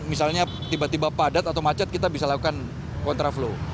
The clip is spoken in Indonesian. misalnya tiba tiba padat atau macet kita bisa lakukan kontraflow